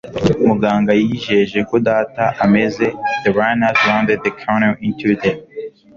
muganga yijeje ko data ameze. the runners rounded the corner into the